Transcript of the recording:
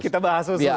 kita bahas khusus